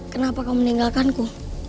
kenapa kau meninggalkanku